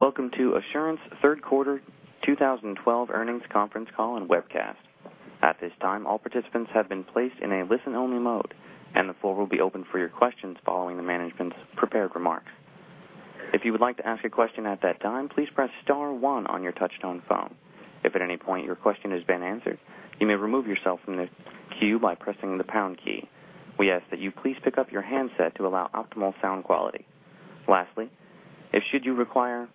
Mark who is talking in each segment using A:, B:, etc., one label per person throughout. A: Welcome to Assurant's third quarter 2012 earnings conference call and webcast. At this time, all participants have been placed in a listen-only mode, and the floor will be open for your questions following the management's prepared remarks. If you would like to ask a question at that time, please press star one on your touch-tone phone. If at any point your question has been answered, you may remove yourself from the queue by pressing the pound key. We ask that you please pick up your handset to allow optimal sound quality. Lastly, if should you require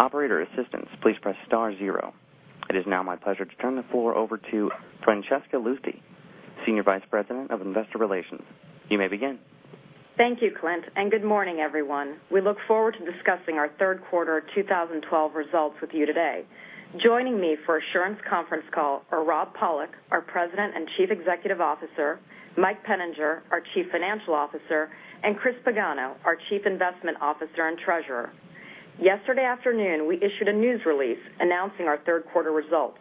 A: operator assistance, please press star zero. It is now my pleasure to turn the floor over to John Luthi, Senior Vice President of Investor Relations. You may begin.
B: Thank you, Clint, good morning, everyone. We look forward to discussing our third quarter 2012 results with you today. Joining me for Assurant's conference call are Robert Pollock, our President and Chief Executive Officer, Michael Peninger, our Chief Financial Officer, and Christopher Pagano, our Chief Investment Officer and Treasurer. Yesterday afternoon, we issued a news release announcing our third quarter results.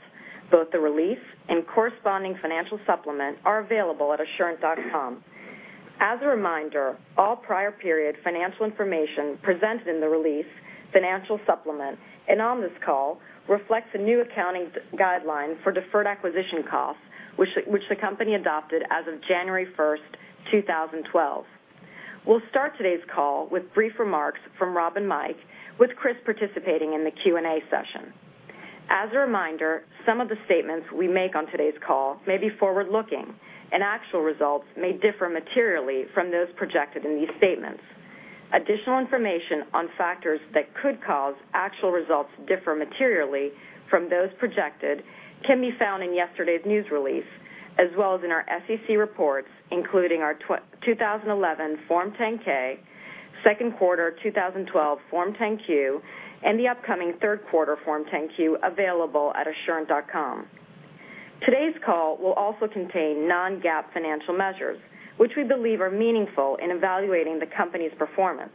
B: Both the release and corresponding financial supplement are available at assurant.com. As a reminder, all prior period financial information presented in the release, financial supplement, and on this call reflects a new accounting guideline for deferred acquisition costs, which the company adopted as of January 1st, 2012. We'll start today's call with brief remarks from Rob and Mike, with Chris participating in the Q&A session. As a reminder, some of the statements we make on today's call may be forward-looking, and actual results may differ materially from those projected in these statements. Additional information on factors that could cause actual results to differ materially from those projected can be found in yesterday's news release, as well as in our SEC reports, including our 2011 Form 10-K, second quarter 2012 Form 10-Q, and the upcoming third quarter Form 10-Q available at assurant.com. Today's call will also contain non-GAAP financial measures, which we believe are meaningful in evaluating the company's performance.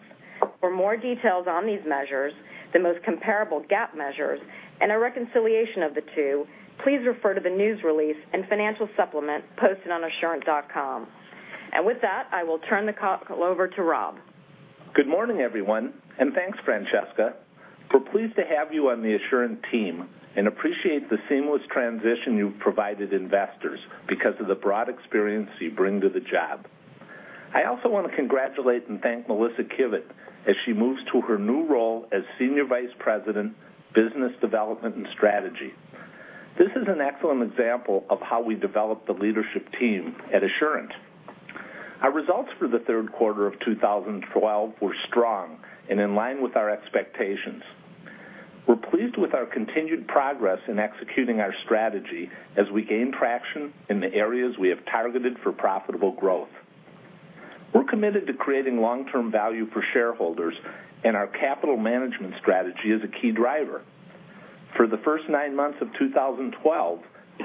B: For more details on these measures, the most comparable GAAP measures, and a reconciliation of the two, please refer to the news release and financial supplement posted on assurant.com. With that, I will turn the call over to Rob.
C: Good morning, everyone, and thanks, John. We're pleased to have you on the Assurant team and appreciate the seamless transition you've provided investors because of the broad experience you bring to the job. I also want to congratulate and thank Melissa Kivett as she moves to her new role as Senior Vice President, Business Development and Strategy. This is an excellent example of how we develop the leadership team at Assurant. Our results for the third quarter of 2012 were strong and in line with our expectations. We're pleased with our continued progress in executing our strategy as we gain traction in the areas we have targeted for profitable growth. We're committed to creating long-term value for shareholders, and our capital management strategy is a key driver. For the first nine months of 2012,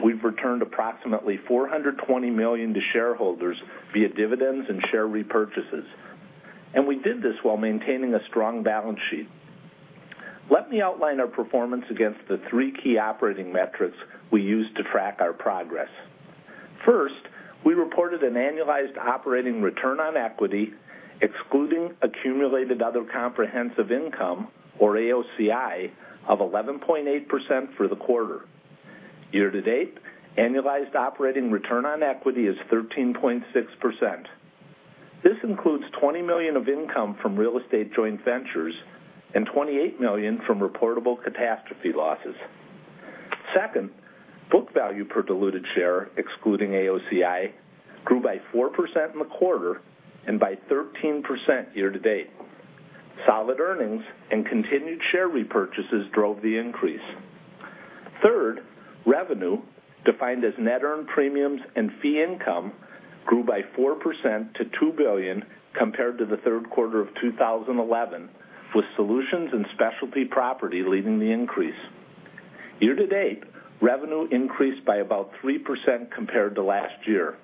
C: we've returned approximately $420 million to shareholders via dividends and share repurchases. We did this while maintaining a strong balance sheet. Let me outline our performance against the three key operating metrics we use to track our progress. First, we reported an annualized operating return on equity, excluding accumulated other comprehensive income, or AOCI, of 11.8% for the quarter. Year to date, annualized operating return on equity is 13.6%. This includes $20 million of income from real estate joint ventures and $28 million from reportable catastrophe losses. Second, book value per diluted share, excluding AOCI, grew by 4% in the quarter and by 13% year to date. Solid earnings and continued share repurchases drove the increase. Third, revenue, defined as net earned premiums and fee income, grew by 4% to $2 billion compared to the third quarter of 2011, with Assurant Solutions and Assurant Specialty Property leading the increase. Year to date, revenue increased by about 3% compared to last year.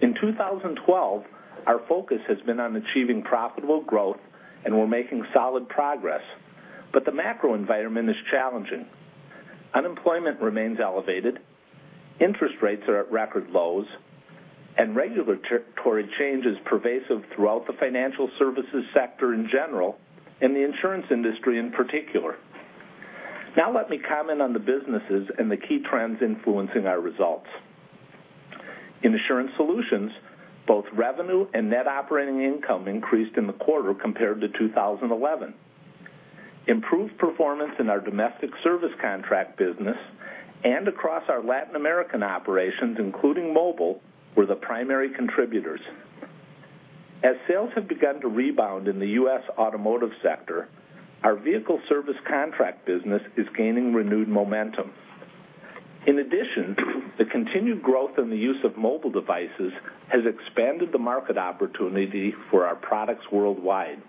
C: In 2012, our focus has been on achieving profitable growth, we're making solid progress. The macro environment is challenging. Unemployment remains elevated, interest rates are at record lows, regulatory change is pervasive throughout the financial services sector in general and the insurance industry in particular. Let me comment on the businesses and the key trends influencing our results. In Assurant Solutions, both revenue and net operating income increased in the quarter compared to 2011. Improved performance in our domestic service contract business and across our Latin American operations, including mobile, were the primary contributors. As sales have begun to rebound in the U.S. automotive sector, our vehicle service contract business is gaining renewed momentum. In addition, the continued growth in the use of mobile devices has expanded the market opportunity for our products worldwide.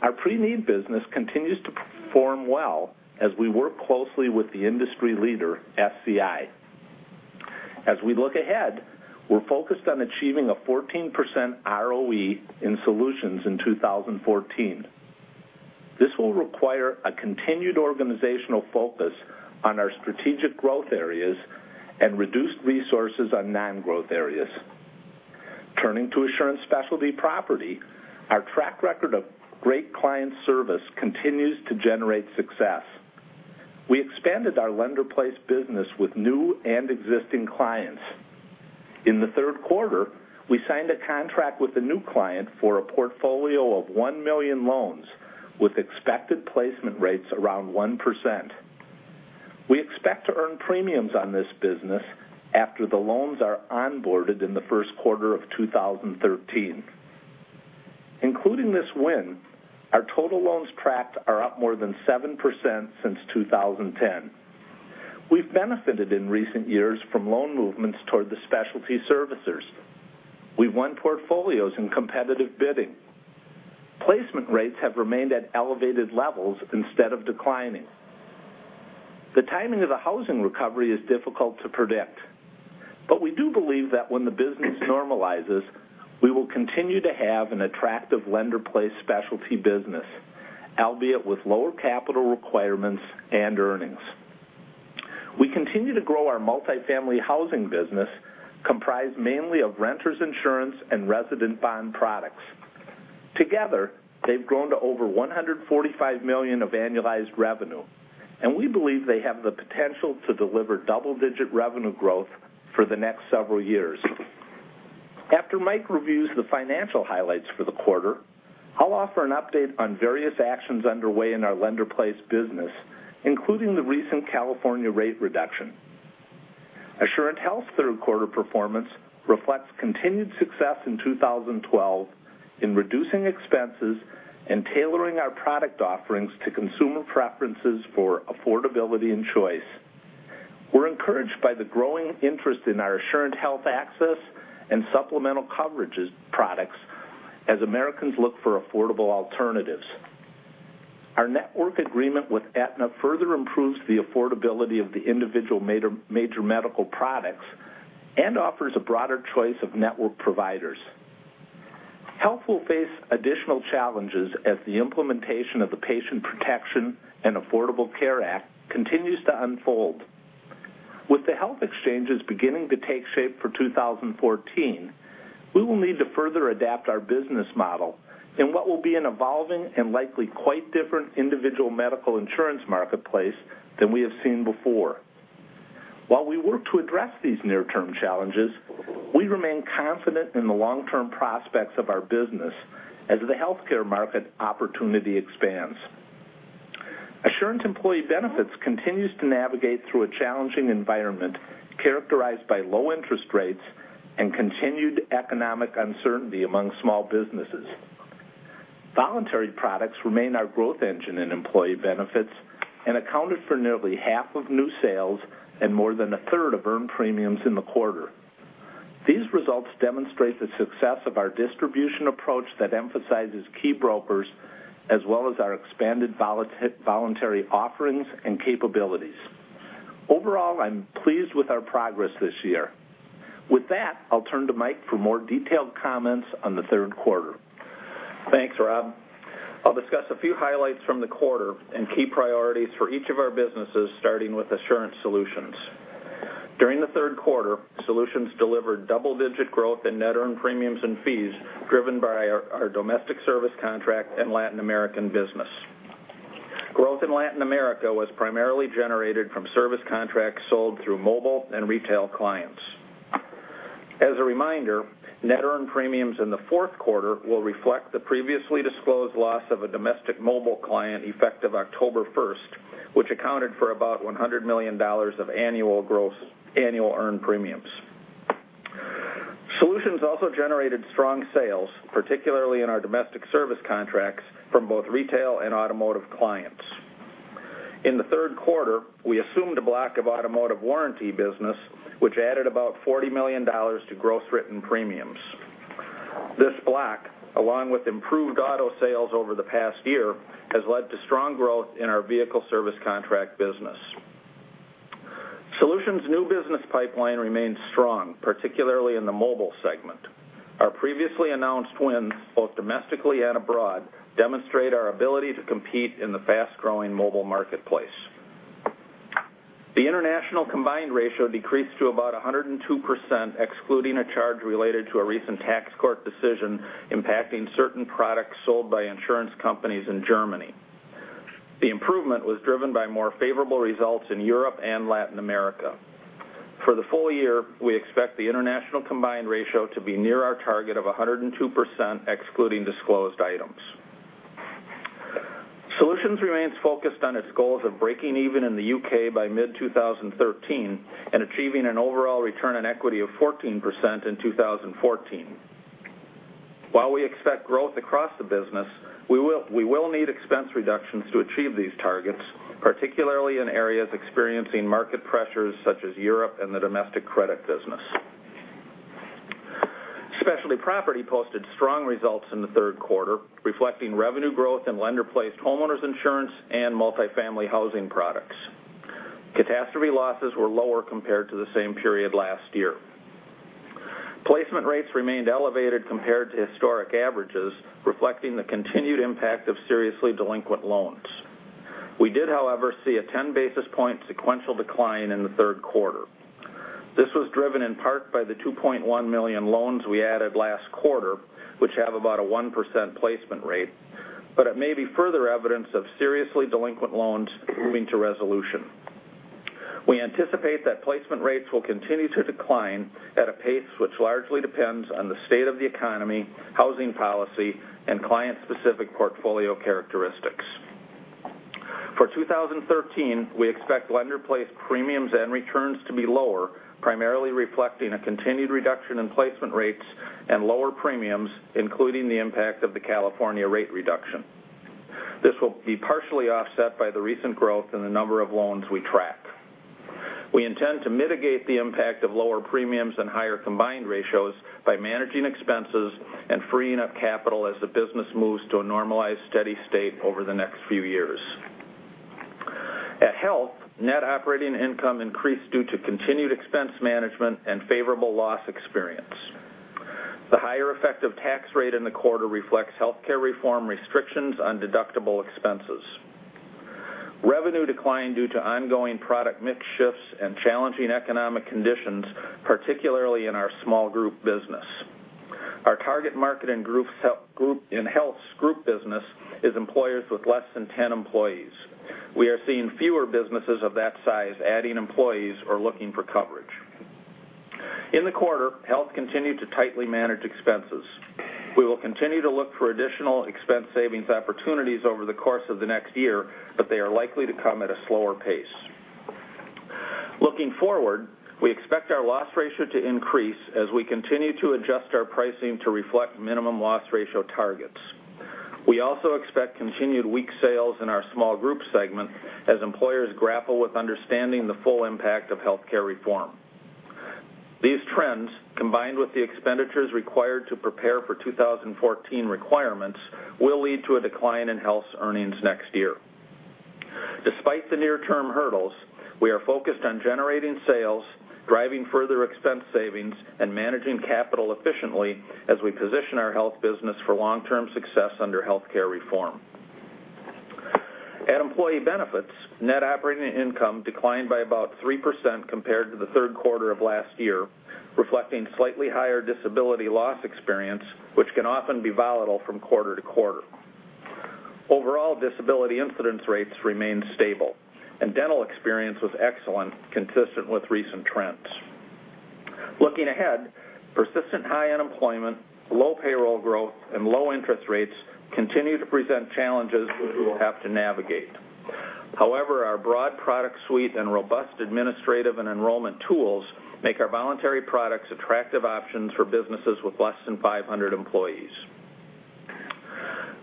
C: Our pre-need business continues to perform well as we work closely with the industry leader, SCI. As we look ahead, we're focused on achieving a 14% ROE in Assurant Solutions in 2014. This will require a continued organizational focus on our strategic growth areas and reduced resources on non-growth areas. Turning to Assurant Specialty Property, our track record of great client service continues to generate success. We expanded our lender-placed business with new and existing clients. In the third quarter, we signed a contract with a new client for a portfolio of 1 million loans, with expected placement rates around 1%. We expect to earn premiums on this business after the loans are onboarded in the first quarter of 2013. Including this win, our total loans tracked are up more than 7% since 2010. We've benefited in recent years from loan movements toward the specialty servicers. We've won portfolios in competitive bidding. Placement rates have remained at elevated levels instead of declining. The timing of the housing recovery is difficult to predict, we do believe that when the business normalizes, we will continue to have an attractive lender-placed specialty business, albeit with lower capital requirements and earnings. We continue to grow our multifamily housing business, comprised mainly of Renters Insurance and resident bond products. Together, they've grown to over $145 million of annualized revenue, we believe they have the potential to deliver double-digit revenue growth for the next several years. After Mike reviews the financial highlights for the quarter, I'll offer an update on various actions underway in our lender-placed business, including the recent California rate reduction. Assurant Health's third quarter performance reflects continued success in 2012 in reducing expenses and tailoring our product offerings to consumer preferences for affordability and choice. We're encouraged by the growing interest in our Assurant Health Access and supplemental coverage products as Americans look for affordable alternatives. Our network agreement with Aetna further improves the affordability of the individual major medical products and offers a broader choice of network providers. Health will face additional challenges as the implementation of the Patient Protection and Affordable Care Act continues to unfold. With the health exchanges beginning to take shape for 2014, we will need to further adapt our business model in what will be an evolving and likely quite different individual medical insurance marketplace than we have seen before. While we work to address these near-term challenges, we remain confident in the long-term prospects of our business as the healthcare market opportunity expands. Assurant Employee Benefits continues to navigate through a challenging environment characterized by low interest rates and continued economic uncertainty among small businesses. Voluntary products remain our growth engine in employee benefits and accounted for nearly half of new sales and more than a third of earned premiums in the quarter. These results demonstrate the success of our distribution approach that emphasizes key brokers as well as our expanded voluntary offerings and capabilities. Overall, I'm pleased with our progress this year. With that, I'll turn to Mike for more detailed comments on the third quarter.
D: Thanks, Rob. I'll discuss a few highlights from the quarter and key priorities for each of our businesses, starting with Assurant Solutions. During the third quarter, Solutions delivered double-digit growth in net earned premiums and fees, driven by our domestic service contract and Latin American business. Growth in Latin America was primarily generated from service contracts sold through mobile and retail clients. As a reminder, net earned premiums in the fourth quarter will reflect the previously disclosed loss of a domestic mobile client effective October first, which accounted for about $100 million of annual earned premiums. Solutions also generated strong sales, particularly in our domestic service contracts from both retail and automotive clients. In the third quarter, we assumed a block of automotive warranty business, which added about $40 million to gross written premiums. This block, along with improved auto sales over the past year, has led to strong growth in our vehicle service contract business. Solutions' new business pipeline remains strong, particularly in the mobile segment. Our previously announced wins, both domestically and abroad, demonstrate our ability to compete in the fast-growing mobile marketplace. The international combined ratio decreased to about 102%, excluding a charge related to a recent tax court decision impacting certain products sold by insurance companies in Germany. The improvement was driven by more favorable results in Europe and Latin America. For the full year, we expect the international combined ratio to be near our target of 102%, excluding disclosed items. Solutions remains focused on its goals of breaking even in the U.K. by mid-2013 and achieving an overall return on equity of 14% in 2014. While we expect growth across the business, we will need expense reductions to achieve these targets, particularly in areas experiencing market pressures such as Europe and the domestic credit business. Specialty Property posted strong results in the third quarter, reflecting revenue growth in Lender-Placed homeowners insurance and multifamily housing products. Catastrophe losses were lower compared to the same period last year. Placement rates remained elevated compared to historic averages, reflecting the continued impact of seriously delinquent loans. We did, however, see a 10 basis point sequential decline in the third quarter. This was driven in part by the 2.1 million loans we added last quarter, which have about a 1% placement rate, but it may be further evidence of seriously delinquent loans moving to resolution. We anticipate that placement rates will continue to decline at a pace which largely depends on the state of the economy, housing policy, and client-specific portfolio characteristics. For 2013, we expect Lender-Placed premiums and returns to be lower, primarily reflecting a continued reduction in placement rates and lower premiums, including the impact of the California rate reduction. This will be partially offset by the recent growth in the number of loans we track. We intend to mitigate the impact of lower premiums and higher combined ratios by managing expenses and freeing up capital as the business moves to a normalized, steady state over the next few years. At Health, net operating income increased due to continued expense management and favorable loss experience. The higher effective tax rate in the quarter reflects healthcare reform restrictions on deductible expenses. Revenue declined due to ongoing product mix shifts and challenging economic conditions, particularly in our small group business. Our target market in Health's group business is employers with less than 10 employees. We are seeing fewer businesses of that size adding employees or looking for coverage. In the quarter, Health continued to tightly manage expenses. We will continue to look for additional expense savings opportunities over the course of the next year, but they are likely to come at a slower pace. Looking forward, we expect our loss ratio to increase as we continue to adjust our pricing to reflect minimum loss ratio targets. We also expect continued weak sales in our small group segment as employers grapple with understanding the full impact of healthcare reform. These trends, combined with the expenditures required to prepare for 2014 requirements, will lead to a decline in Health's earnings next year. Despite the near-term hurdles, we are focused on generating sales, driving further expense savings, and managing capital efficiently as we position our health business for long-term success under healthcare reform. At Employee Benefits, net operating income declined by about 3% compared to the third quarter of last year, reflecting slightly higher disability loss experience, which can often be volatile from quarter to quarter. Overall disability incidence rates remained stable, and dental experience was excellent, consistent with recent trends. Looking ahead, persistent high unemployment, low payroll growth, and low interest rates continue to present challenges that we will have to navigate. However, our broad product suite and robust administrative and enrollment tools make our voluntary products attractive options for businesses with less than 500 employees.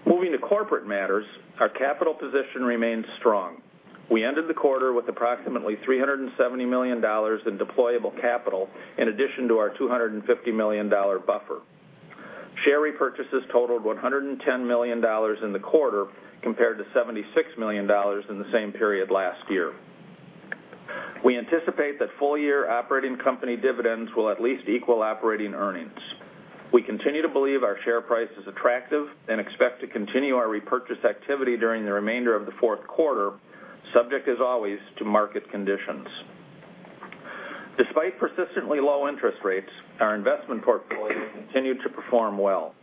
D: Moving to corporate matters, our capital position remains strong. We ended the quarter with approximately $370 million in deployable capital in addition to our $250 million buffer. Share repurchases totaled $110 million in the quarter, compared to $76 million in the same period last year. We anticipate that full-year operating company dividends will at least equal operating earnings. We continue to believe our share price is attractive and expect to continue our repurchase activity during the remainder of the fourth quarter, subject as always, to market conditions. Despite persistently low interest rates, our investment portfolio continued to perform well.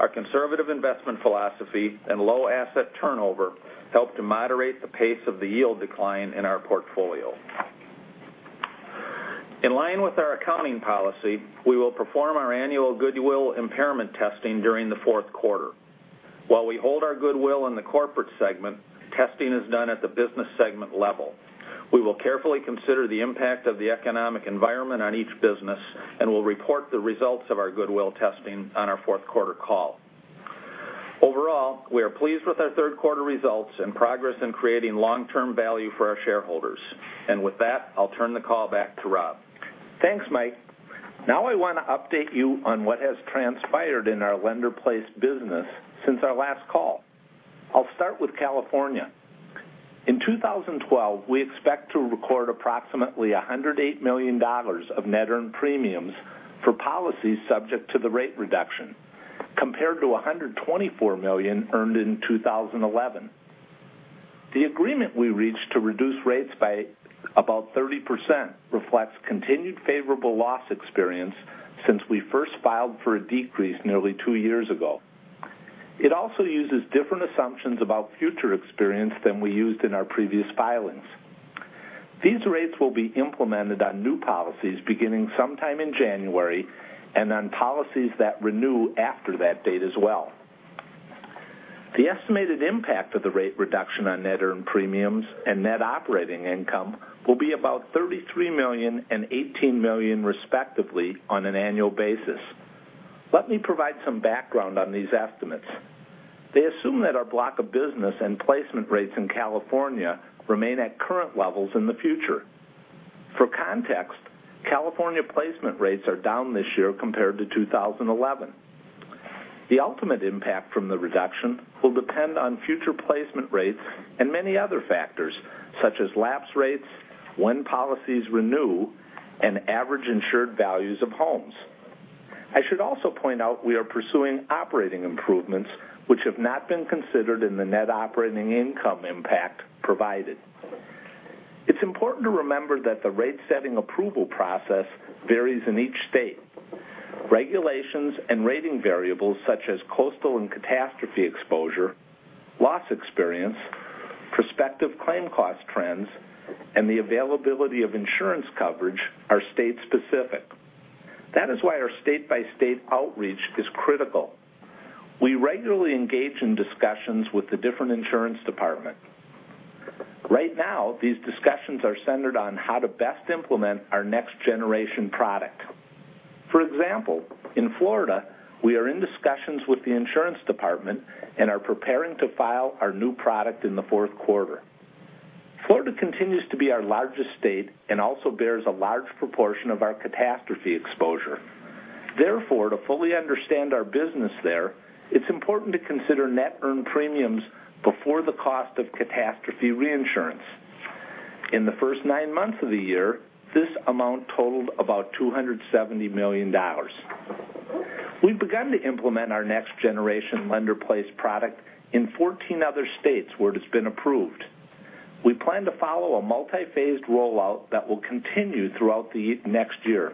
D: Our conservative investment philosophy and low asset turnover helped to moderate the pace of the yield decline in our portfolio. In line with our accounting policy, we will perform our annual goodwill impairment testing during the fourth quarter. While we hold our goodwill in the corporate segment, testing is done at the business segment level. We will carefully consider the impact of the economic environment on each business and will report the results of our goodwill testing on our fourth quarter call. Overall, we are pleased with our third quarter results and progress in creating long-term value for our shareholders. With that, I'll turn the call back to Rob.
C: Thanks, Mike. Now I want to update you on what has transpired in our lender-placed business since our last call. I'll start with California. In 2012, we expect to record approximately $108 million of net earned premiums for policies subject to the rate reduction, compared to $124 million earned in 2011. The agreement we reached to reduce rates by about 30% reflects continued favorable loss experience since we first filed for a decrease nearly two years ago. It also uses different assumptions about future experience than we used in our previous filings. These rates will be implemented on new policies beginning sometime in January and on policies that renew after that date as well. The estimated impact of the rate reduction on net earned premiums and net operating income will be about $33 million and $18 million respectively on an annual basis. Let me provide some background on these estimates. They assume that our block of business and placement rates in California remain at current levels in the future. For context, California placement rates are down this year compared to 2011. The ultimate impact from the reduction will depend on future placement rates and many other factors such as lapse rates, when policies renew, and average insured values of homes. I should also point out we are pursuing operating improvements which have not been considered in the net operating income impact provided. It's important to remember that the rate-setting approval process varies in each state. Regulations and rating variables such as coastal and catastrophe exposure, loss experience, prospective claim cost trends, and the availability of insurance coverage are state-specific. That is why our state-by-state outreach is critical. We regularly engage in discussions with the different insurance departments. Right now, these discussions are centered on how to best implement our next-generation product. For example, in Florida, we are in discussions with the insurance department and are preparing to file our new product in the fourth quarter. Florida continues to be our largest state and also bears a large proportion of our catastrophe exposure. Therefore, to fully understand our business there, it's important to consider net earned premiums before the cost of catastrophe reinsurance. In the first nine months of the year, this amount totaled about $270 million. We've begun to implement our next-generation lender-placed product in 14 other states where it has been approved. We plan to follow a multi-phased rollout that will continue throughout the next year.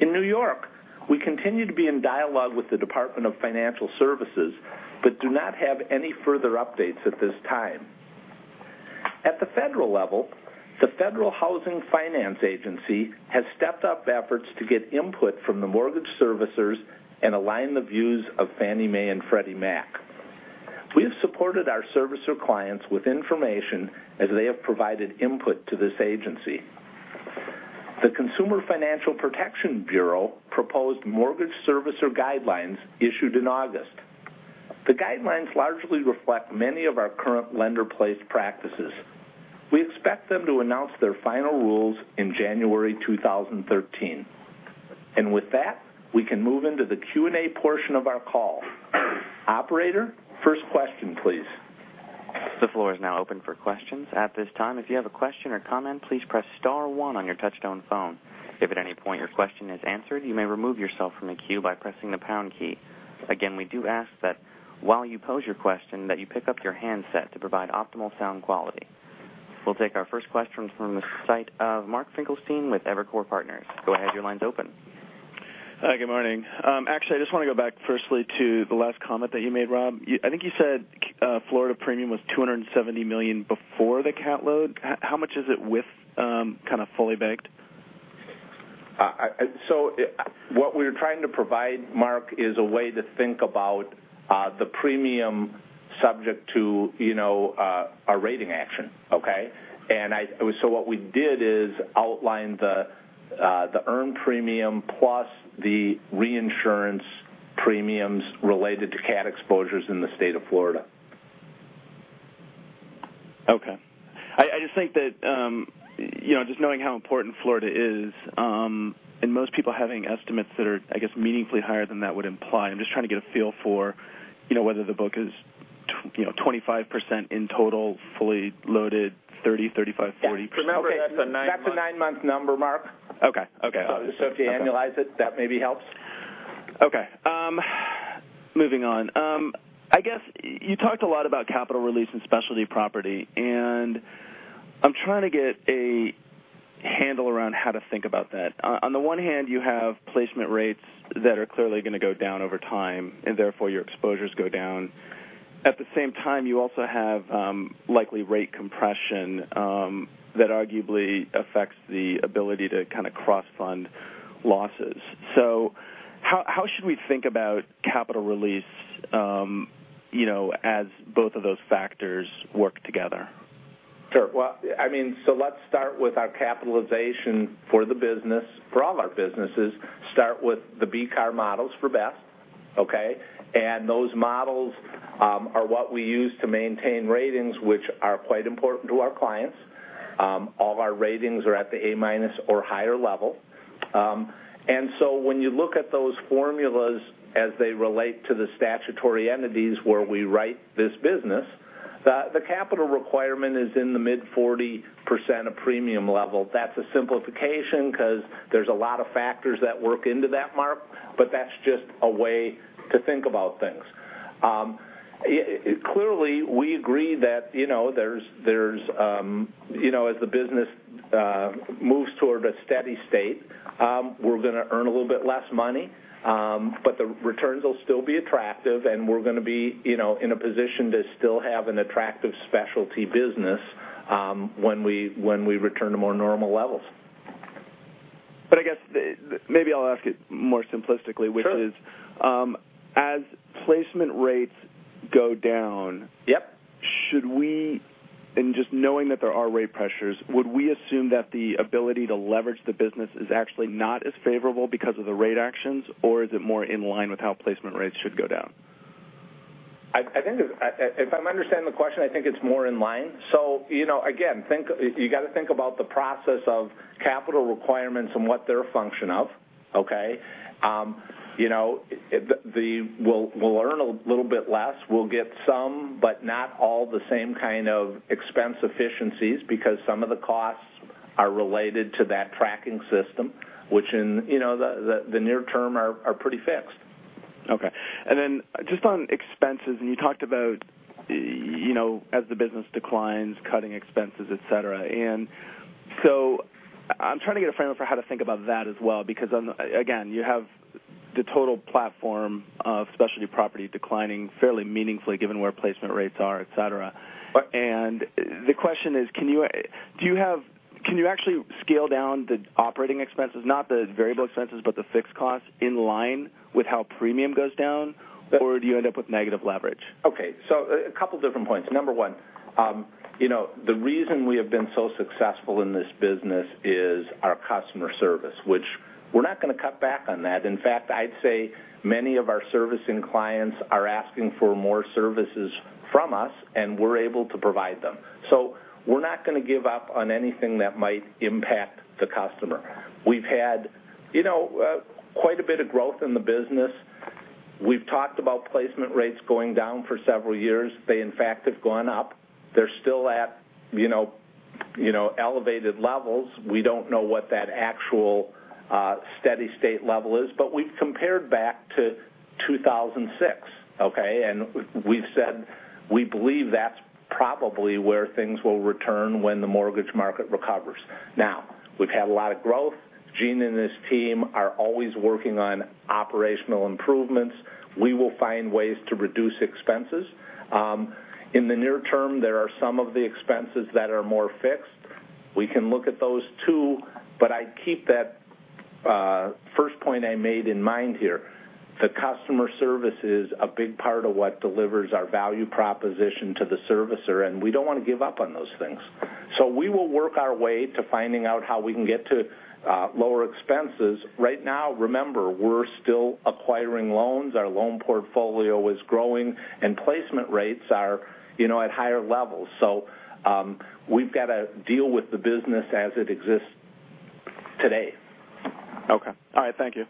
C: In New York, we continue to be in dialogue with the Department of Financial Services, do not have any further updates at this time. At the federal level, the Federal Housing Finance Agency has stepped up efforts to get input from the mortgage servicers and align the views of Fannie Mae and Freddie Mac. We have supported our servicer clients with information as they have provided input to this agency. The Consumer Financial Protection Bureau proposed mortgage servicer guidelines issued in August. The guidelines largely reflect many of our current lender-placed practices. We expect them to announce their final rules in January 2013. With that, we can move into the Q&A portion of our call. Operator, first question please.
A: The floor is now open for questions. At this time, if you have a question or comment, please press star one on your touch-tone phone. If at any point your question is answered, you may remove yourself from the queue by pressing the pound key. Again, we do ask that while you pose your question, that you pick up your handset to provide optimal sound quality. We'll take our first question from the site of Mark Finkelstein with Evercore Partners. Go ahead, your line's open.
E: Hi, good morning. Actually, I just want to go back firstly to the last comment that you made, Rob. I think you said Florida premium was $270 million before the cat load. How much is it with kind of fully baked?
C: What we're trying to provide, Mark, is a way to think about the premium subject to our rating action, okay? What we did is outline the earned premium plus the reinsurance premiums related to cat exposures in the state of Florida.
E: Okay. I just think that, just knowing how important Florida is, and most people having estimates that are, I guess, meaningfully higher than that would imply, I'm just trying to get a feel for whether the book is 25% in total, fully loaded 30%, 35%, 40%.
C: Remember, that's a nine-month number, Mark.
E: Okay.
C: If you annualize it, that maybe helps.
E: Okay. Moving on. I guess you talked a lot about capital release and Specialty Property, and I'm trying to get a handle around how to think about that. On the one hand, you have placement rates that are clearly going to go down over time, and therefore, your exposures go down. At the same time, you also have likely rate compression that arguably affects the ability to kind of cross-fund losses. How should we think about capital release as both of those factors work together?
C: Sure. Well, let's start with our capitalization for the business, for all our businesses. Start with the BCAR models for Best, okay? Those models are what we use to maintain ratings, which are quite important to our clients. All of our ratings are at the A-minus or higher level. When you look at those formulas as they relate to the statutory entities where we write this business, the capital requirement is in the mid-40% of premium level. That's a simplification because there's a lot of factors that work into that, Mark, but that's just a way to think about things. Clearly, we agree that as the business moves toward a steady state, we're going to earn a little bit less money, but the returns will still be attractive, and we're going to be in a position to still have an attractive specialty business when we return to more normal levels.
E: I guess, maybe I'll ask it more simplistically.
C: Sure
E: which is, as placement rates go down-
C: Yep
E: should we, and just knowing that there are rate pressures, would we assume that the ability to leverage the business is actually not as favorable because of the rate actions, or is it more in line with how placement rates should go down?
C: If I'm understanding the question, I think it's more in line. Again, you got to think about the process of capital requirements and what they're a function of, okay?
E: Sure.
C: We'll earn a little bit less. We'll get some, but not all the same kind of expense efficiencies, because some of the costs are related to that tracking system, which in the near term are pretty fixed.
E: Okay. Just on expenses, you talked about as the business declines, cutting expenses, et cetera. I'm trying to get a frame of how to think about that as well, because, again, you have the total platform of Assurant Specialty Property declining fairly meaningfully, given where placement rates are, et cetera.
C: Right.
E: The question is, can you actually scale down the operating expenses, not the variable expenses, but the fixed costs in line with how premium goes down? Or do you end up with negative leverage?
C: Okay, a couple different points. Number one, the reason we have been so successful in this business is our customer service, which we're not going to cut back on that. In fact, I'd say many of our servicing clients are asking for more services from us, and we're able to provide them. We're not going to give up on anything that might impact the customer. We've had quite a bit of growth in the business. We've talked about placement rates going down for several years. They, in fact, have gone up. They're still at elevated levels. We don't know what that actual steady state level is, but we've compared back to 2006, okay? We've said we believe that's probably where things will return when the mortgage market recovers. Now, we've had a lot of growth. Gene and his team are always working on operational improvements. We will find ways to reduce expenses. In the near term, there are some of the expenses that are more fixed. We can look at those, too, but I'd keep that first point I made in mind here. The customer service is a big part of what delivers our value proposition to the servicer, and we don't want to give up on those things. We will work our way to finding out how we can get to lower expenses. Right now, remember, we're still acquiring loans. Our loan portfolio is growing, and placement rates are at higher levels. We've got to deal with the business as it exists today.
E: Okay. All right. Thank you.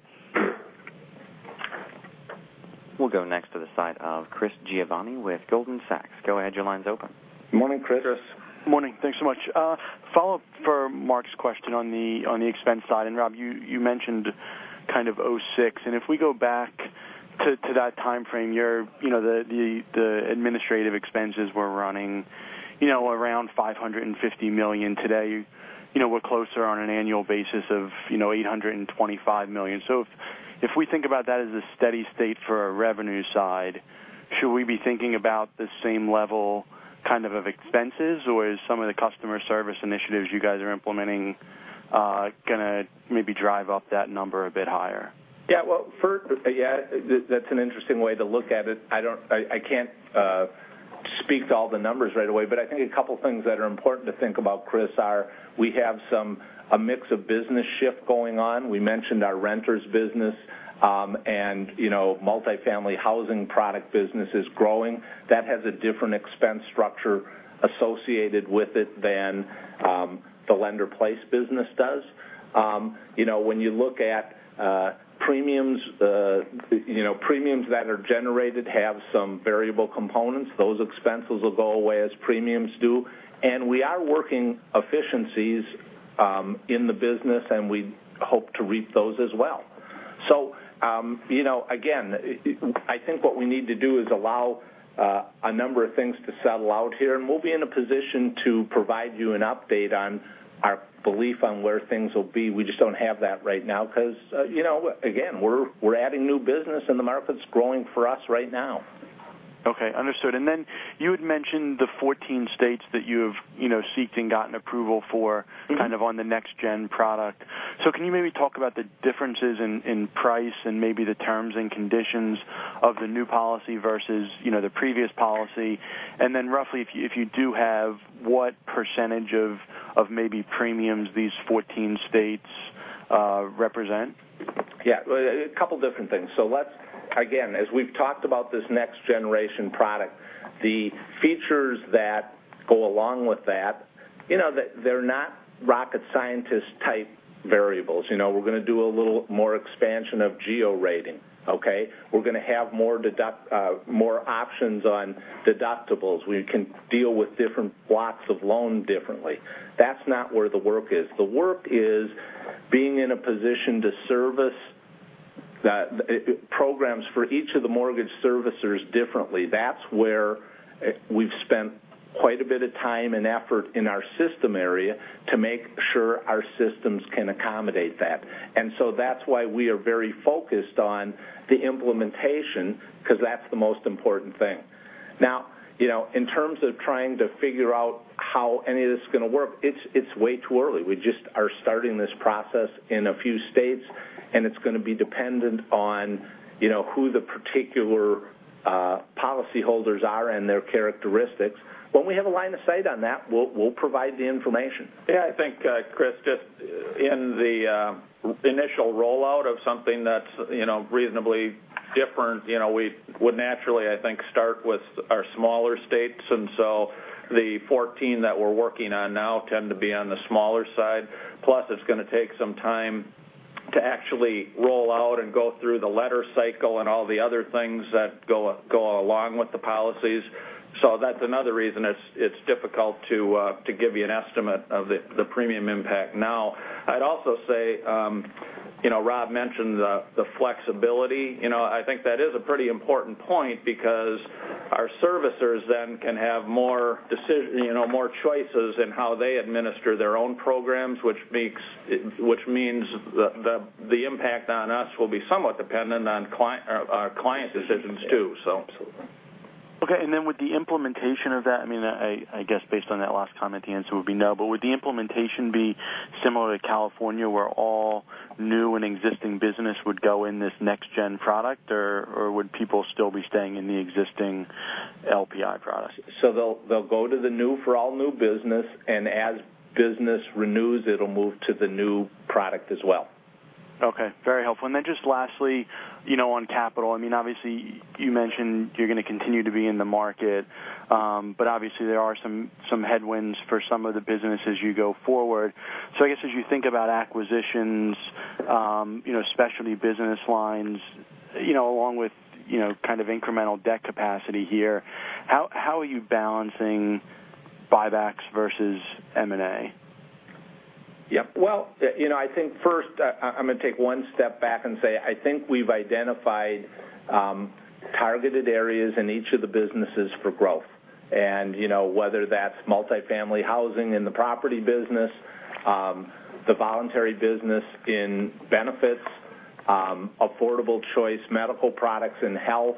A: We'll go next to the side of Chris Giovanni with Goldman Sachs. Go ahead, your line's open.
C: Morning, Chris.
D: Chris.
F: Morning. Thanks so much. Follow-up for Mark's question on the expense side, Rob, you mentioned kind of 2006, and if we go back to that timeframe, the administrative expenses were running around $550 million. Today, we're closer on an annual basis of $825 million. If we think about that as a steady state for our revenue side, should we be thinking about the same level kind of expenses, or is some of the customer service initiatives you guys are implementing going to maybe drive up that number a bit higher?
C: First, that's an interesting way to look at it. I can't speak to all the numbers right away, but I think a couple things that are important to think about, Chris, are we have a mix of business shift going on. We mentioned our renters business, and multifamily housing product business is growing. That has a different expense structure associated with it than the lender-placed business does. When you look at premiums that are generated have some variable components. Those expenses will go away as premiums do. We are working efficiencies in the business, and we hope to reap those as well. Again, I think what we need to do is allow a number of things to settle out here, and we'll be in a position to provide you an update on our belief on where things will be. We just don't have that right now because, again, we're adding new business and the market's growing for us right now.
F: Okay, understood. Then you had mentioned the 14 states that you have seeked and gotten approval for. kind of on the next gen product. Can you maybe talk about the differences in price and maybe the terms and conditions of the new policy versus the previous policy, and then roughly, if you do have, what % of maybe premiums these 14 states represent?
C: Yeah. A couple different things. Let's, again, as we've talked about this next generation product, the features that go along with that, they're not rocket scientist-type variables. We're going to do a little more expansion of geo-rating, okay? We're going to have more options on deductibles. We can deal with different blocks of loan differently. That's not where the work is. The work is being in a position to service programs for each of the mortgage servicers differently. That's where we've spent quite a bit of time and effort in our system area to make sure our systems can accommodate that. That's why we are very focused on the implementation, because that's the most important thing. Now, in terms of trying to figure out how any of this is going to work, it's way too early. We just are starting this process in a few states, and it's going to be dependent on who the particular policyholders are and their characteristics. When we have a line of sight on that, we'll provide the information.
D: Yeah, I think, Chris, just in the initial rollout of something that's reasonably. Different. We would naturally, I think, start with our smaller states. The 14 that we're working on now tend to be on the smaller side. Plus, it's going to take some time to actually roll out and go through the letter cycle and all the other things that go along with the policies. That's another reason it's difficult to give you an estimate of the premium impact now. I'd also say, Rob mentioned the flexibility. I think that is a pretty important point because our servicers then can have more choices in how they administer their own programs, which means the impact on us will be somewhat dependent on our client decisions too.
G: Absolutely.
F: Okay. With the implementation of that, I guess based on that last comment, the answer would be no, but would the implementation be similar to California, where all new and existing business would go in this next gen product, or would people still be staying in the existing LPI products?
C: They'll go to the new for all new business, and as business renews, it'll move to the new product as well.
F: Okay. Very helpful. Just lastly, on capital. Obviously, you mentioned you're going to continue to be in the market. Obviously, there are some headwinds for some of the business as you go forward. I guess as you think about acquisitions, specialty business lines, along with kind of incremental debt capacity here, how are you balancing buybacks versus M&A?
C: Yep. Well, I think first, I'm going to take one step back and say, I think we've identified targeted areas in each of the businesses for growth. Whether that's multi-family housing in the property business, the voluntary business in benefits, affordable choice medical products in health,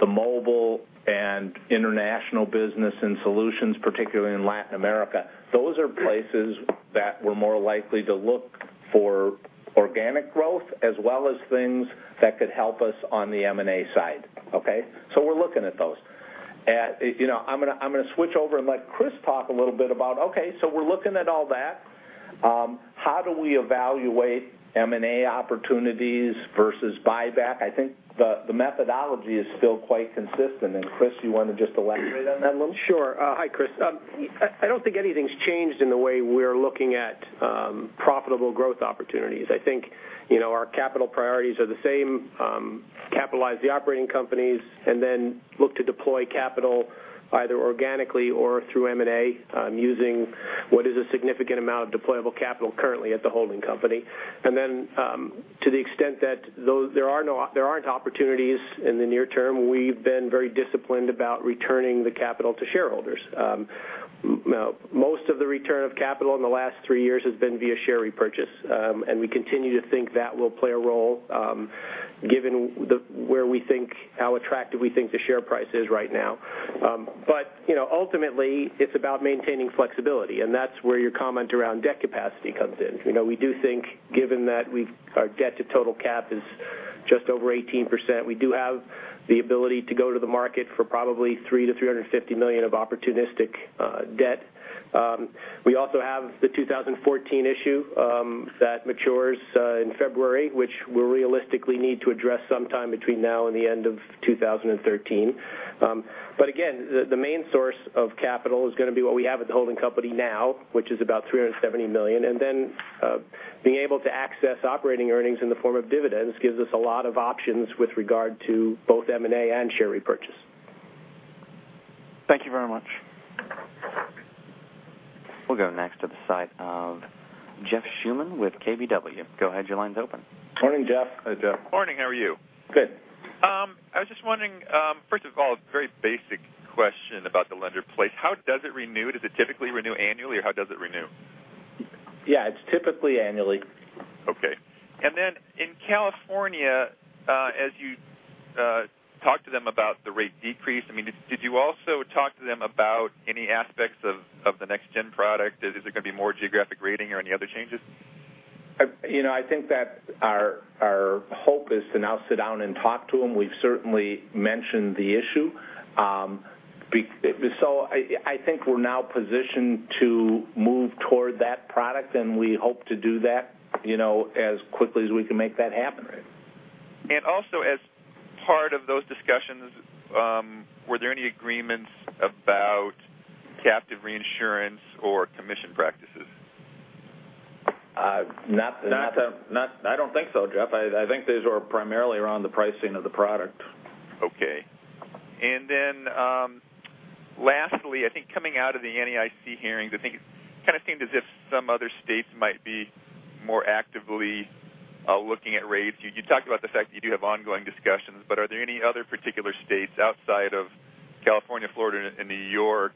C: the mobile and international business in solutions, particularly in Latin America. Those are places that we're more likely to look for organic growth, as well as things that could help us on the M&A side. Okay? We're looking at those. I'm going to switch over and let Chris talk a little bit about, okay, we're looking at all that. How do we evaluate M&A opportunities versus buyback? I think the methodology is still quite consistent. Chris, you want to just elaborate on that a little?
G: Sure. Hi, Chris. I don't think anything's changed in the way we're looking at profitable growth opportunities. I think our capital priorities are the same. Capitalize the operating companies, look to deploy capital either organically or through M&A, using what is a significant amount of deployable capital currently at the holding company. To the extent that there aren't opportunities in the near term, we've been very disciplined about returning the capital to shareholders. Most of the return of capital in the last three years has been via share repurchase. We continue to think that will play a role, given how attractive we think the share price is right now. Ultimately, it's about maintaining flexibility, and that's where your comment around debt capacity comes in. We do think, given that our debt to total cap is just over 18%, we do have the ability to go to the market for probably $300 million to $350 million of opportunistic debt. We also have the 2014 issue that matures in February, which we'll realistically need to address sometime between now and the end of 2013. Again, the main source of capital is going to be what we have at the holding company now, which is about $370 million. Being able to access operating earnings in the form of dividends gives us a lot of options with regard to both M&A and share repurchase.
F: Thank you very much.
A: We'll go next to the site of Jeff Schuman with KBW. Go ahead, your line's open.
C: Morning, Jeff.
D: Hi, Jeff.
H: Morning, how are you?
C: Good.
H: I was just wondering, first of all, a very basic question about the Lender-Placed place. How does it renew? Does it typically renew annually, or how does it renew?
C: Yeah, it's typically annually.
H: Okay. Then in California, as you talked to them about the rate decrease, did you also talk to them about any aspects of the next gen product? Is there going to be more geographic rating or any other changes?
C: I think that our hope is to now sit down and talk to them. We've certainly mentioned the issue. I think we're now positioned to move toward that product, and we hope to do that as quickly as we can make that happen.
H: Right. Also, as part of those discussions, were there any agreements about captive reinsurance or commission practices?
C: I don't think so, Jeff. I think those are primarily around the pricing of the product.
H: Okay. Lastly, I think coming out of the NAIC hearings, I think it kind of seemed as if some other states might be more actively looking at rates. You talked about the fact that you do have ongoing discussions, but are there any other particular states outside of California, Florida, and New York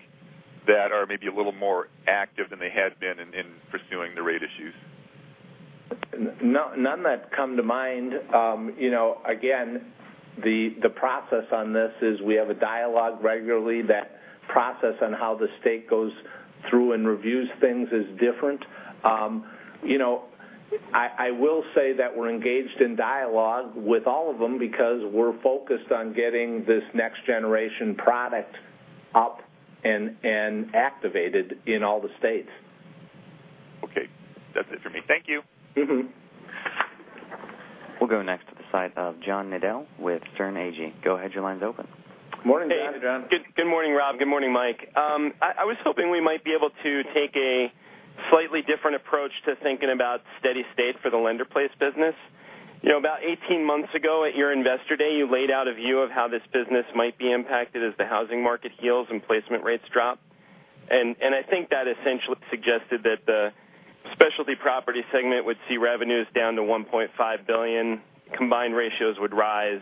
H: that are maybe a little more active than they had been in pursuing the rate issues?
C: None that come to mind. Again, the process on this is we have a dialogue regularly. That process on how the state goes through and reviews things is different. I will say that we're engaged in dialogue with all of them because we're focused on getting this next generation product up and activated in all the states. Thank you.
A: We'll go next to the side of John Nadel with Sterne Agee. Go ahead, your line's open.
C: Morning, John.
I: Hey. Good morning, Rob. Good morning, Mike. I was hoping we might be able to take a slightly different approach to thinking about steady state for the lender-placed business. About 18 months ago at your investor day, you laid out a view of how this business might be impacted as the housing market heals and placement rates drop. I think that essentially suggested that the Specialty Property segment would see revenues down to $1.5 billion, combined ratios would rise,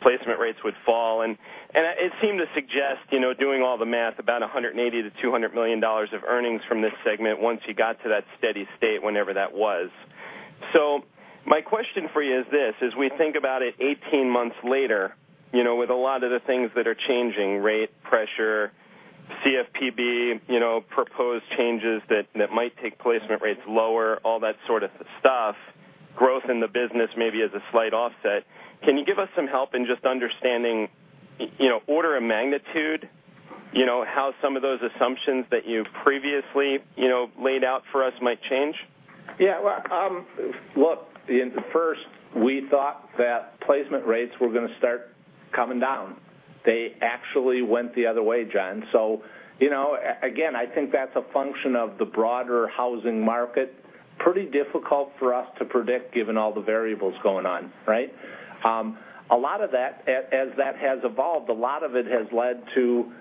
I: placement rates would fall, it seemed to suggest, doing all the math, about $180 million-$200 million of earnings from this segment once you got to that steady state, whenever that was. My question for you is this, as we think about it 18 months later, with a lot of the things that are changing, rate pressure, CFPB proposed changes that might take placement rates lower, all that sort of stuff, growth in the business maybe as a slight offset. Can you give us some help in just understanding order of magnitude, how some of those assumptions that you previously laid out for us might change?
C: First, we thought that placement rates were going to start coming down. They actually went the other way, John. Again, I think that's a function of the broader housing market. Pretty difficult for us to predict given all the variables going on, right? As that has evolved, a lot of it has led to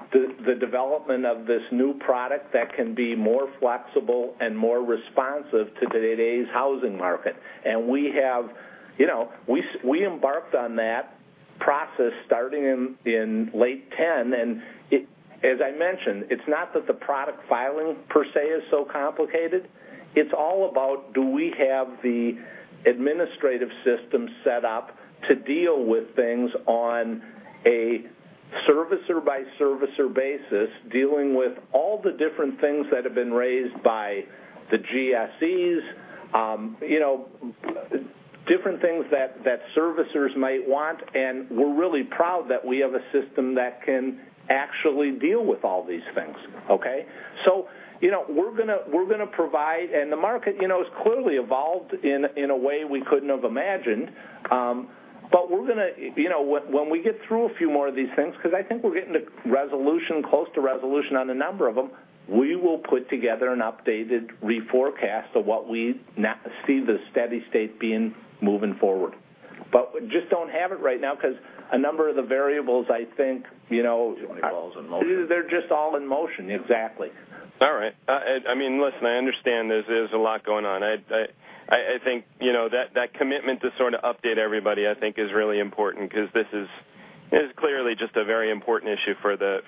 C: the development of this new product that can be more flexible and more responsive to today's housing market. We embarked on that process starting in late 2010, as I mentioned, it's not that the product filing per se is so complicated. It's all about do we have the administrative system set up to deal with things on a servicer-by-servicer basis, dealing with all the different things that have been raised by the GSEs, different things that servicers might want, and we're really proud that we have a system that can actually deal with all these things, okay? We're going to provide, the market has clearly evolved in a way we couldn't have imagined. When we get through a few more of these things, because I think we're getting to resolution, close to resolution on a number of them, we will put together an updated reforecast of what we now see the steady state being moving forward. We just don't have it right now because a number of the variables, I think.
G: Too many balls in motion.
C: They're just all in motion, exactly.
I: All right. Listen, I understand there's a lot going on. I think that commitment to sort of update everybody, I think is really important because this is clearly just a very important issue for the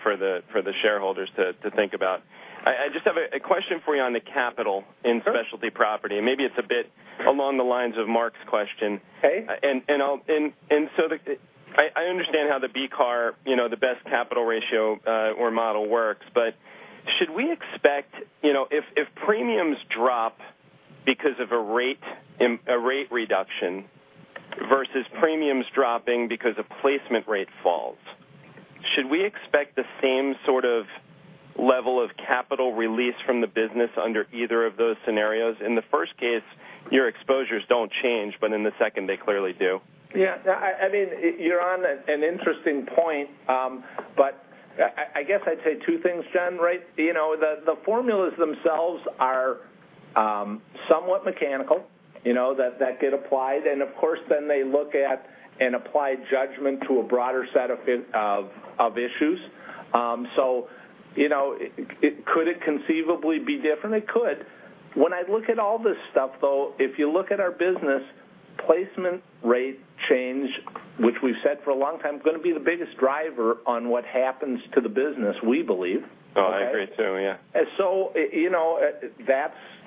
I: shareholders to think about. I just have a question for you on the capital in Specialty Property. Maybe it's a bit along the lines of Mark's question.
C: Okay.
I: I understand how the BCAR, the best capital ratio, or model works. Should we expect, if premiums drop because of a rate reduction versus premiums dropping because a placement rate falls, should we expect the same sort of level of capital release from the business under either of those scenarios? In the first case, your exposures don't change, in the second, they clearly do.
C: Yeah. You're on an interesting point. I guess I'd say two things, John, right? The formulas themselves are somewhat mechanical, that get applied, and of course, they look at and apply judgment to a broader set of issues. Could it conceivably be different? It could. When I look at all this stuff, though, if you look at our business, placement rate change, which we've said for a long time, is going to be the biggest driver on what happens to the business, we believe.
I: Oh, I agree too, yeah.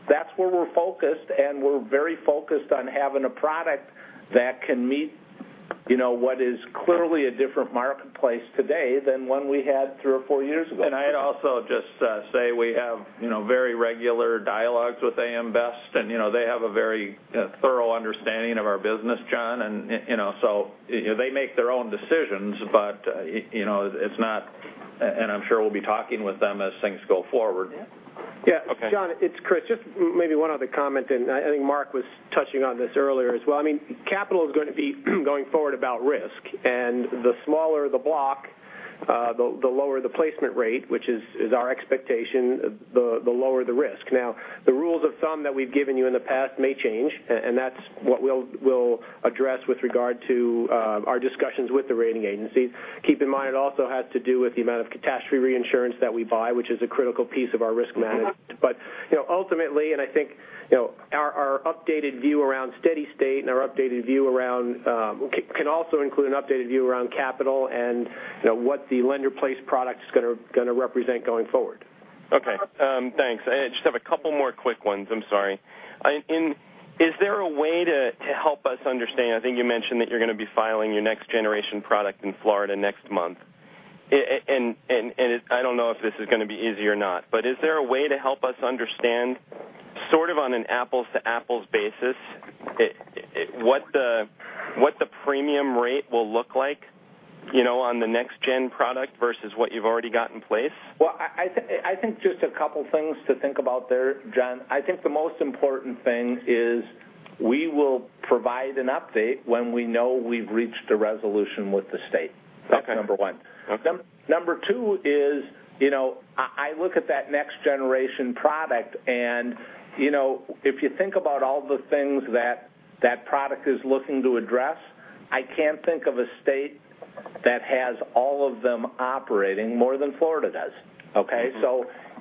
C: That's where we're focused, and we're very focused on having a product that can meet what is clearly a different marketplace today than one we had three or four years ago.
G: I'd also just say we have very regular dialogues with AM Best, and they have a very thorough understanding of our business, John. They make their own decisions, but it's not, and I'm sure we'll be talking with them as things go forward.
I: Yeah.
C: Okay.
G: John, it's Chris. Just maybe one other comment, and I think Mark was touching on this earlier as well. Capital is going to be going forward about risk, and the smaller the block, the lower the placement rate, which is our expectation, the lower the risk. The rules of thumb that we've given you in the past may change, and that's what we'll address with regard to our discussions with the rating agencies. Keep in mind, it also has to do with the amount of catastrophe reinsurance that we buy, which is a critical piece of our risk management. Ultimately, I think our updated view around steady state can also include an updated view around capital and what the Lender-Placed product's going to represent going forward.
I: Okay, thanks. I just have a couple more quick ones. I'm sorry. Is there a way to help us understand? I think you mentioned that you're going to be filing your next generation product in Florida next month. I don't know if this is going to be easy or not, but is there a way to help us understand sort of on an apples-to-apples basis what the premium rate will look like On the next-gen product versus what you've already got in place?
C: Well, I think just a couple things to think about there, John. I think the most important thing is we will provide an update when we know we've reached a resolution with the state.
I: Okay. That's number 1. Okay.
C: Number 2 is, I look at that next-generation product, and if you think about all the things that product is looking to address, I can't think of a state that has all of them operating more than Florida does. Okay?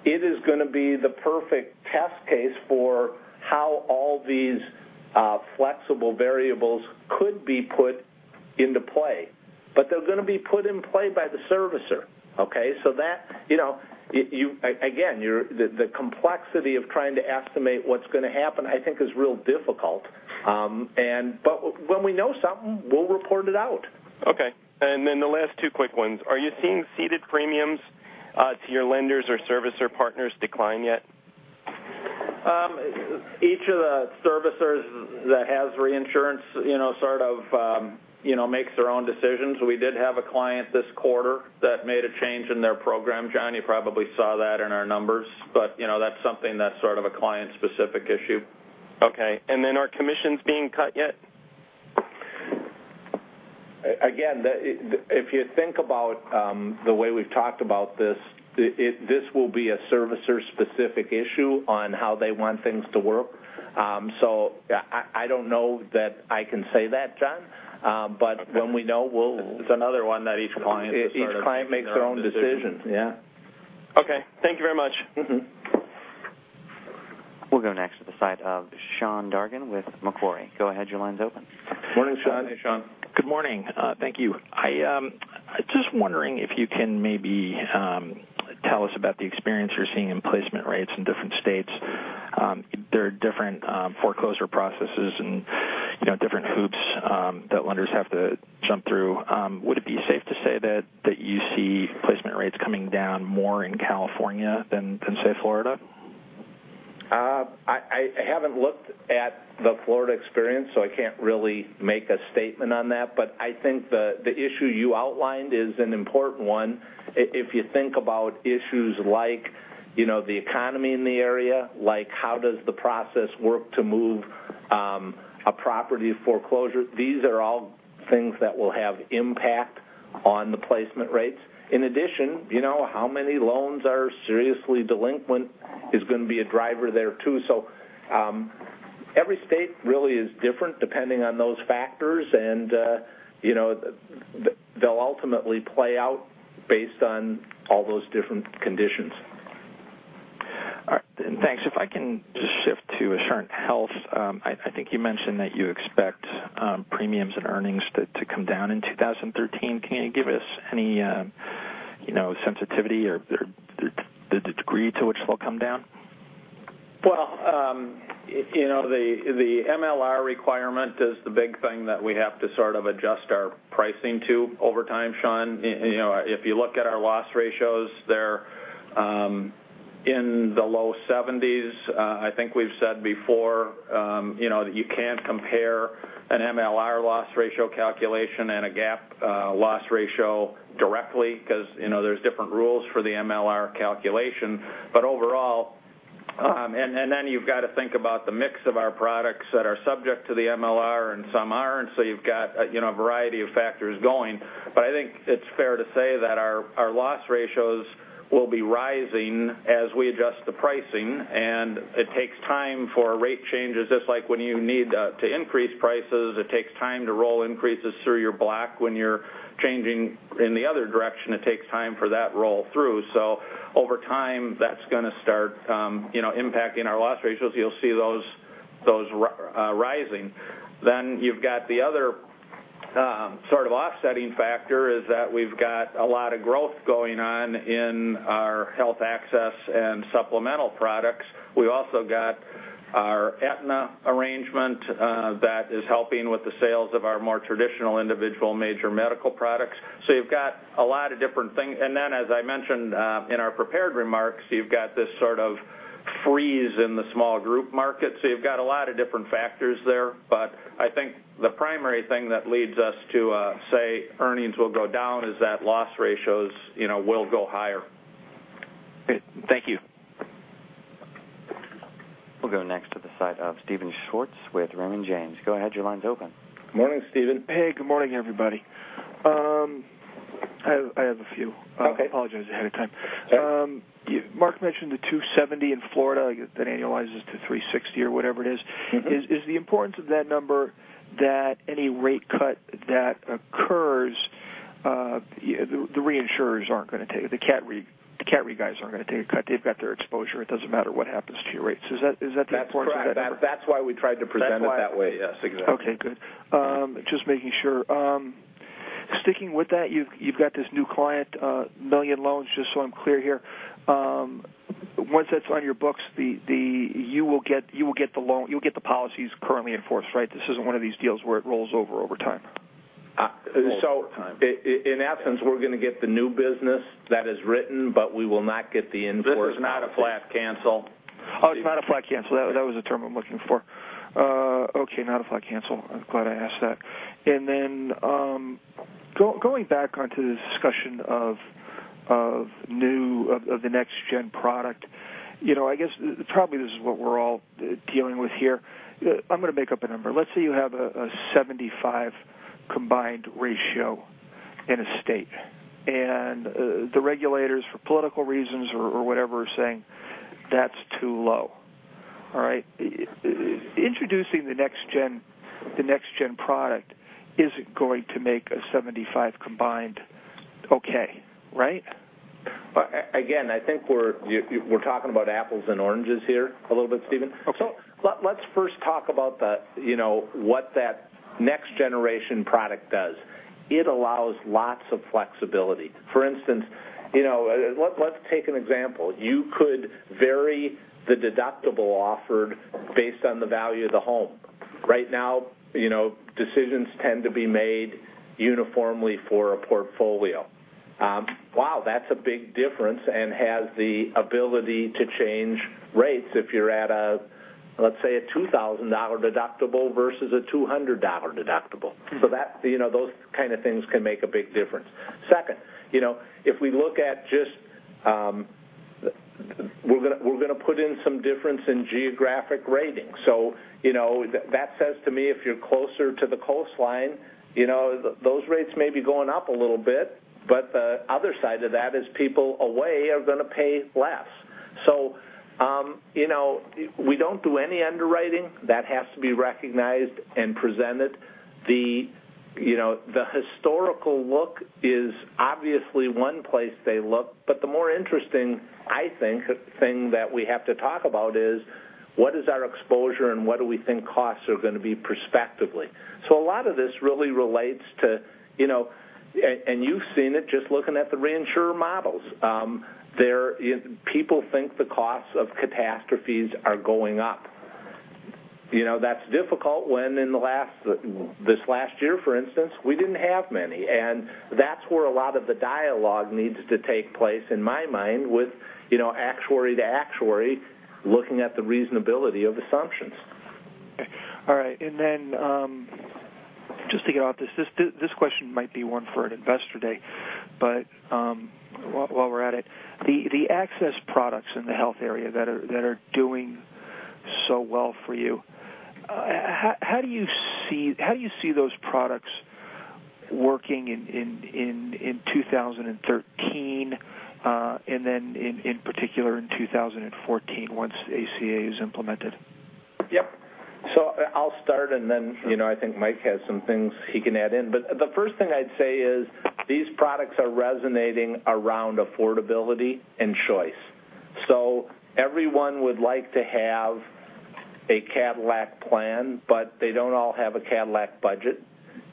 C: It is going to be the perfect test case for how all these flexible variables could be put into play. They're going to be put in play by the servicer. Okay? Again, the complexity of trying to estimate what's going to happen, I think, is real difficult. When we know something, we'll report it out.
I: Okay. Then the last two quick ones. Are you seeing ceded premiums to your lenders or servicer partners decline yet?
C: Each of the servicers that has reinsurance makes their own decisions. We did have a client this quarter that made a change in their program, John. You probably saw that in our numbers. That's something that's sort of a client-specific issue.
I: Okay. Then are commissions being cut yet?
C: Again, if you think about the way we've talked about this will be a servicer-specific issue on how they want things to work. I don't know that I can say that, John.
I: It's another one that each client will.
C: Each client makes their own decisions. Yeah.
I: Okay. Thank you very much.
A: We'll go next to the side of Sean Dargan with Macquarie. Go ahead. Your line's open.
J: Morning, Sean. Hey, Sean. Good morning. Thank you. I'm just wondering if you can maybe tell us about the experience you're seeing in placement rates in different states. There are different foreclosure processes and different hoops that lenders have to jump through. Would it be safe to say that you see placement rates coming down more in California than, say, Florida?
C: I haven't looked at the Florida experience, so I can't really make a statement on that. I think the issue you outlined is an important one. If you think about issues like the economy in the area, like how does the process work to move a property foreclosure, these are all things that will have impact on the placement rates. In addition, how many loans are seriously delinquent is going to be a driver there, too. Every state really is different depending on those factors, and they'll ultimately play out based on all those different conditions.
J: All right, then. Thanks. If I can just shift to Assurant Health. I think you mentioned that you expect premiums and earnings to come down in 2013. Can you give us any sensitivity or the degree to which they'll come down?
C: Well, the MLR requirement is the big thing that we have to sort of adjust our pricing to over time, Sean. If you look at our loss ratios, they're in the low 70s. I think we've said before that you can't compare an MLR loss ratio calculation and a GAAP loss ratio directly because there's different rules for the MLR calculation. Overall, then you've got to think about the mix of our products that are subject to the MLR, and some aren't. You've got a variety of factors going. I think it's fair to say that our loss ratios will be rising as we adjust the pricing, and it takes time for rate changes. Just like when you need to increase prices, it takes time to roll increases through your block. When you're changing in the other direction, it takes time for that roll through. Over time, that's going to start impacting our loss ratios. You'll see those rising. You've got the other sort of offsetting factor is that we've got a lot of growth going on in our Health Access and supplemental products. We've also got our Aetna arrangement that is helping with the sales of our more traditional individual major medical products. You've got a lot of different things. Then, as I mentioned in our prepared remarks, you've got this sort of freeze in the small group market. You've got a lot of different factors there. I think the primary thing that leads us to say earnings will go down is that loss ratios will go higher.
J: Thank you.
A: We'll go next to the side of Steven Schwartz with Raymond James. Go ahead. Your line's open.
C: Morning, Steven.
K: Hey, good morning, everybody. I have a few. Okay. I apologize ahead of time. Sure. Mark mentioned the 270 in Florida that annualizes to 360 or whatever it is. Is the importance of that number that any rate cut that occurs, the reinsurers aren't going to take it? The cat re guys aren't going to take a cut. They've got their exposure. It doesn't matter what happens to your rates. Is that the importance of that number?
C: That's why we tried to present it that way. Yes, exactly.
K: Okay, good. Just making sure. Sticking with that, you've got this new client, million loans, just so I'm clear here. Once that's on your books, you will get the policies currently in force, right? This isn't one of these deals where it rolls over over time.
C: Rolls over time.
K: In essence, we're going to get the new business that is written, we will not get the in-force business.
C: This is not a flat cancel.
K: Oh, it's not a flat cancel. That was the term I'm looking for. Okay, not if I cancel. I'm glad I asked that. Then, going back onto the discussion of the next gen product. I guess, probably this is what we're all dealing with here. I'm going to make up a number. Let's say you have a 75 combined ratio in a state, the regulators, for political reasons or whatever, are saying, "That's too low." All right? Introducing the next gen product isn't going to make a 75 combined okay, right?
C: I think we're talking about apples and oranges here a little bit, Steven.
K: Okay.
C: Let's first talk about what that next generation product does. It allows lots of flexibility. For instance, let's take an example. You could vary the deductible offered based on the value of the home. Right now, decisions tend to be made uniformly for a portfolio. Wow, that's a big difference and has the ability to change rates if you're at a, let's say, a $2,000 deductible versus a $200 deductible. Those kind of things can make a big difference. Second, if we look at just, we're going to put in some difference in geographic ratings. That says to me, if you're closer to the coastline, those rates may be going up a little bit, but the other side of that is people away are going to pay less. We don't do any underwriting. That has to be recognized and presented. The historical look is obviously one place they look, but the more interesting, I think, thing that we have to talk about is what is our exposure and what do we think costs are going to be perspectively. A lot of this really relates to, and you've seen it just looking at the reinsurer models. People think the costs of catastrophes are going up. That's difficult when in this last year, for instance, we didn't have many, and that's where a lot of the dialogue needs to take place, in my mind, with actuary to actuary, looking at the reasonability of assumptions.
K: Okay. All right. Then, just to get off this question might be one for an investor day, but while we're at it, the access products in the health area that are doing so well for you, how do you see those products working in 2013, and then in particular, in 2014 once ACA is implemented?
C: Yep. I'll start, and then I think Mike has some things he can add in. The first thing I'd say is these products are resonating around affordability and choice. Everyone would like to have a Cadillac plan, but they don't all have a Cadillac budget.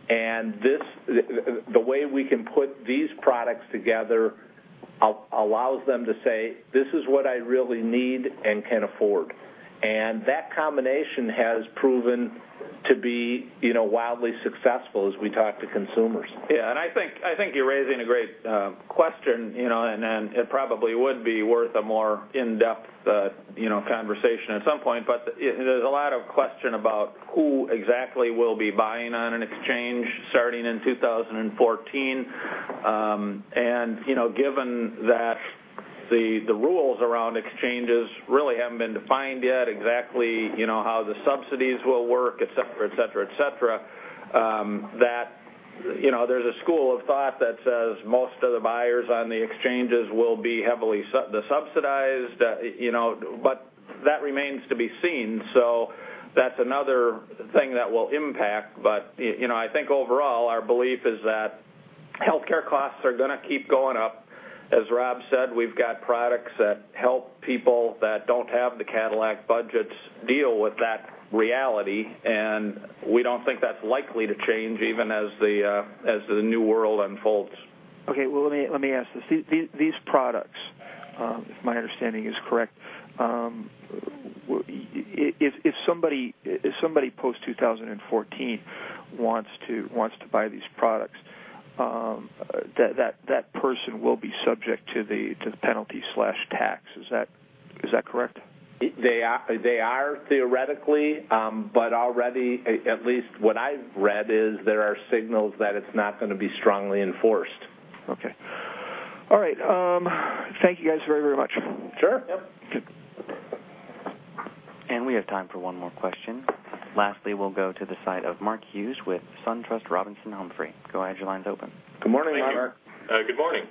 C: The way we can put these products together allows them to say, "This is what I really need and can afford." That combination has proven to be wildly successful as we talk to consumers.
D: Yeah, I think you're raising a great question, and it probably would be worth a more in-depth conversation at some point. There's a lot of question about who exactly will be buying on an exchange starting in 2014. Given that the rules around exchanges really haven't been defined yet exactly, how the subsidies will work, et cetera, et cetera, et cetera, there's a school of thought that says most of the buyers on the exchanges will be heavily subsidized, but that remains to be seen. That's another thing that will impact. I think overall, our belief is that healthcare costs are going to keep going up. As Rob said, we've got products that help people that don't have the Cadillac budgets deal with that reality, and we don't think that's likely to change even as the new world unfolds.
K: Okay. Well, let me ask this. These products, if my understanding is correct, if somebody post 2014 wants to buy these products, that person will be subject to the penalty/tax. Is that correct?
D: They are theoretically, already, at least what I've read is there are signals that it's not going to be strongly enforced.
K: Okay. All right. Thank you guys very, very much.
D: Sure.
C: Yep.
K: Good.
A: We have time for one more question. Lastly, we'll go to the side of Mark Hughes with SunTrust Robinson Humphrey. Go ahead, your line's open.
C: Good morning, Mark.
L: Hi there. Good morning.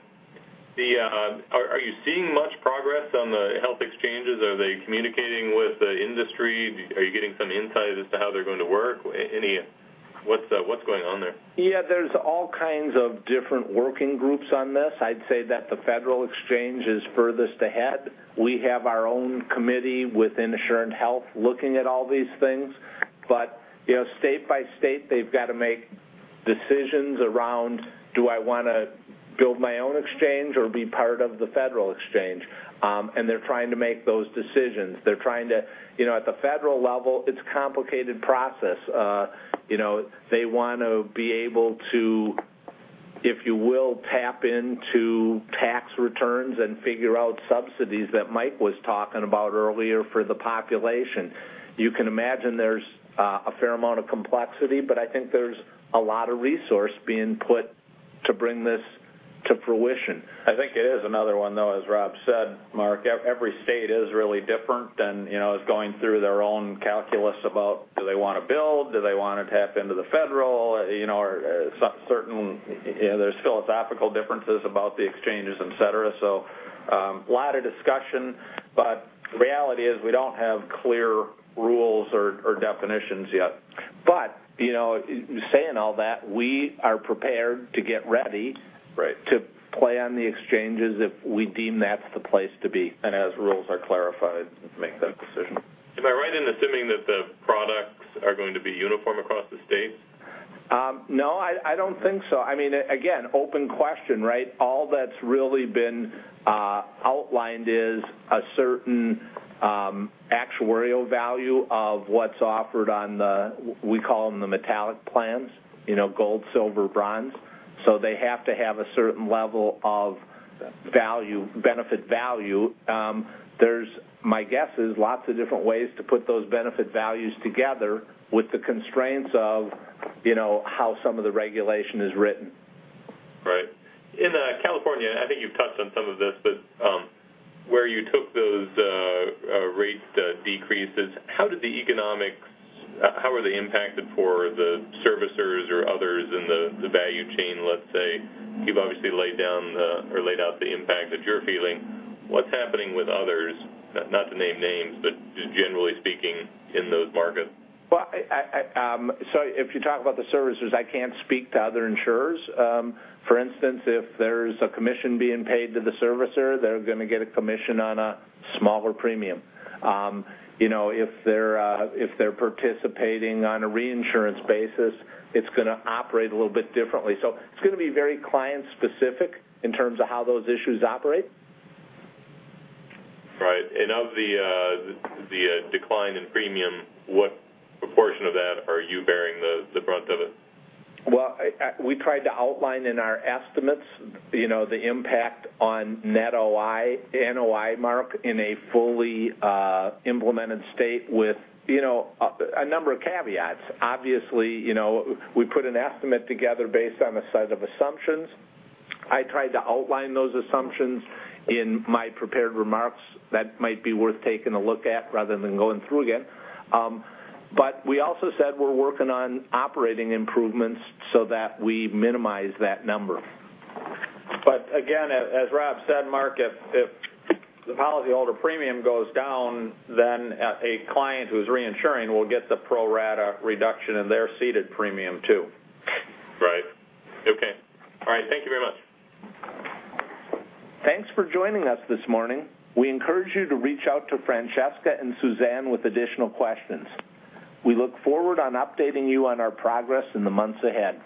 L: Are you seeing much progress on the health exchanges? Are they communicating with the industry? Are you getting some insight as to how they're going to work? What's going on there?
C: Yeah, there's all kinds of different working groups on this. I'd say that the federal exchange is furthest ahead. We have our own committee within Assurant Health looking at all these things. State by state, they've got to make decisions around, do I want to build my own exchange or be part of the federal exchange? They're trying to make those decisions. At the federal level, it's a complicated process. They want to be able to, if you will, tap into tax returns and figure out subsidies that Mike was talking about earlier for the population. You can imagine there's a fair amount of complexity, I think there's a lot of resource being put to bring this to fruition.
D: I think it is another one, though, as Rob said, Mark, every state is really different and is going through their own calculus about do they want to build, do they want to tap into the federal, or there's philosophical differences about the exchanges, et cetera. A lot of discussion, the reality is we don't have clear rules or definitions yet.
C: Saying all that, we are prepared to get ready-
D: Right
C: to play on the exchanges if we deem that's the place to be.
D: As rules are clarified, make that decision.
L: Am I right in assuming that the products are going to be uniform across the states?
C: No, I don't think so. Again, open question, right? All that's really been outlined is a certain actuarial value of what's offered on the, we call them the metallic plans, gold, silver, bronze. They have to have a certain level of benefit value. My guess is lots of different ways to put those benefit values together with the constraints of how some of the regulation is written.
L: Right. In California, I think you've touched on some of this, but where you took those rate decreases, how did the economics, how are they impacted for the servicers or others in the value chain, let's say? You've obviously laid out the impact that you're feeling. What's happening with others? Not to name names, but just generally speaking in those markets.
C: If you talk about the servicers, I can't speak to other insurers. For instance, if there's a commission being paid to the servicer, they're going to get a commission on a smaller premium. If they're participating on a reinsurance basis, it's going to operate a little bit differently. It's going to be very client-specific in terms of how those issues operate.
L: Right. Of the decline in premium, what proportion of that are you bearing the brunt of it?
C: We tried to outline in our estimates the impact on net NOI, Mark, in a fully implemented state with a number of caveats. Obviously, we put an estimate together based on a set of assumptions. I tried to outline those assumptions in my prepared remarks that might be worth taking a look at rather than going through again. We also said we're working on operating improvements so that we minimize that number.
D: Again, as Rob said, Mark, if the policyholder premium goes down, then a client who's reinsuring will get the pro-rata reduction in their ceded premium too.
L: Right. Okay. All right. Thank you very much.
C: Thanks for joining us this morning. We encourage you to reach out to Francesca and Suzanne with additional questions. We look forward on updating you on our progress in the months ahead.